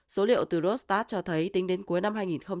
số liệu từ rostat cho thấy tính đến cuối năm hai nghìn hai mươi ba